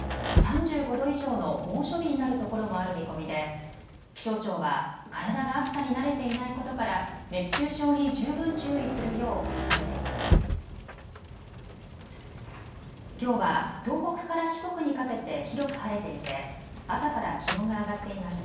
３５度以上の猛暑日になる所もある見込みで気象庁は体が暑さに慣れていないことから熱中症に十分注意するよう呼びかけています。